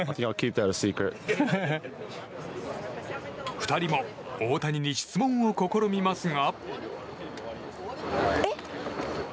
２人も大谷に質問を試みますが。